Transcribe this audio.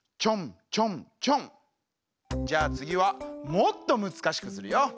じゃあつぎはもっとむずかしくするよ。